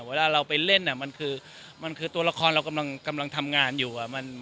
เวลาเราไปเล่นมันคือมันคือตัวละครเรากำลังทำงานอยู่